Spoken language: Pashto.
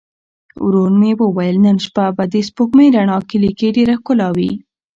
ورور مې وویل نن شپه به د سپوږمۍ رڼا کلي کې ډېره ښکلې وي.